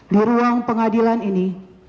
di ruang pengadilan ini